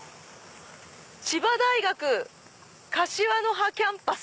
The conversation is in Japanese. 「千葉大学柏の葉キャンパス」。